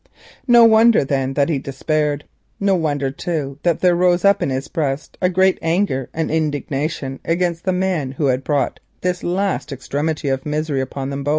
No wonder, then, that he despaired. No wonder, too, that there rose up in his breast a great anger and indignation against the man who had brought this last extremity of misery upon them.